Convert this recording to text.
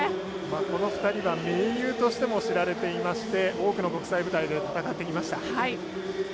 この２人は盟友としても知られていまして多くの国際舞台で戦ってきました。